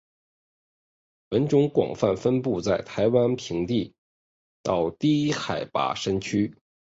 本种广泛分布在台湾平地到低海拔山区。